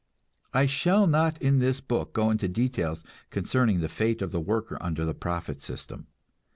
I shall not in this book go into details concerning the fate of the worker under the profit system.